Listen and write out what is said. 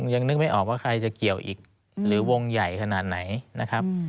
ยังนึกไม่ออกว่าใครจะเกี่ยวอีกหรือวงใหญ่ขนาดไหนนะครับ